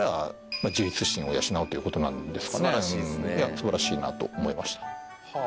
素晴らしいなと思いました。